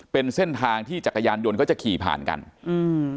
เป็นเส้นทางที่จักรยานยนต์เขาจะขี่ผ่านกันอืม